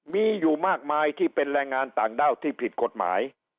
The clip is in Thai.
มีอยู่มากมายที่เป็นแรงงานต่างด้าวที่ผิดกฎหมาย